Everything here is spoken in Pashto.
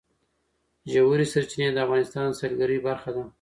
ژورې سرچینې د افغانستان د سیلګرۍ برخه ده.